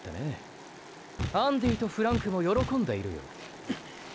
アンディとフランクも喜んでいるよ。